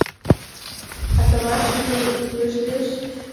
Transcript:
А товар шыжым кӱлеш лиеш.